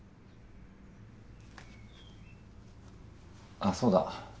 あっそうだ。